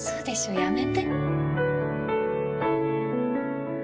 やめて。